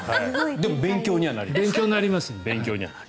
でも勉強にはなりました。